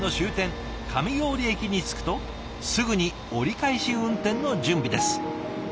上郡駅に着くとすぐに折り返し運転の準備です。